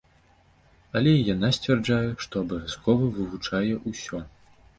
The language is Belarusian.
Але і яна сцвярджае, што абавязкова вывучае ўсё.